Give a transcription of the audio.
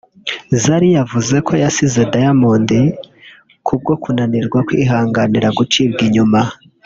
Zari yavuze ko yasize Diamond ku bwo kunanirwa kwihanganira gucibwa inyuma